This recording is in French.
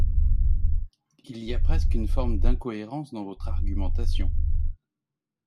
Il y a presque une forme d’incohérence dans votre argumentation.